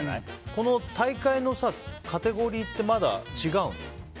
この大会のカテゴリーってまだ違うの？